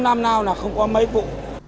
năm nào là không có mấy vụ